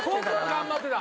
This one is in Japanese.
頑張ってた。